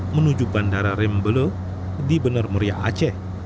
menuju bandara rembele di benar muria aceh